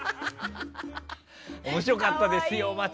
面白かったですよ